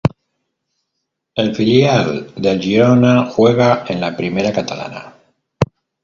El filial del Girona juega en la Primera Catalana.